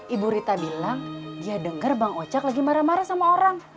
ibu rita bilang dia dengar bang ocak lagi marah marah sama orang